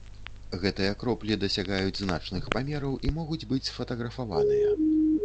Гэтыя кроплі дасягаюць значных памераў і могуць быць сфатаграфаваныя.